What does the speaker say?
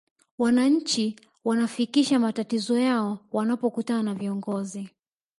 wananchi wanafikisha matatizo yao wanapokutana na viongozi